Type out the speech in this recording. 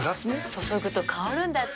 注ぐと香るんだって。